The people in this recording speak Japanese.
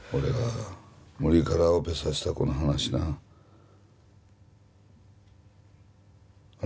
ムリからオペさせた子の話なああれ